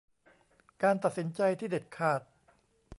การตัดสินใจที่เด็ดขาด